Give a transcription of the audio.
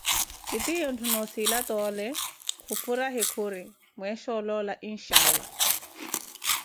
Titiyunthu nossila toole khufuraye khuri mweesha oloola Insha'Allah